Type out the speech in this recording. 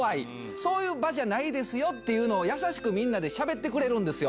そういう場じゃないですよっていうのを優しくみんなでしゃべってくれるんですよ。